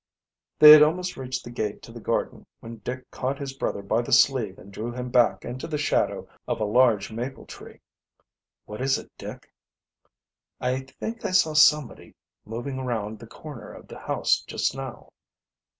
They had almost reached the gate to the garden when Dick caught his brother by the sleeve and drew him back into the shadow of a large maple tree. "What is it, Dick?" "I think I saw somebody moving around the corner of the house just now."